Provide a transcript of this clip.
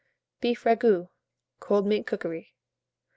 BEEP RAGOUT (Cold Meat Cookery).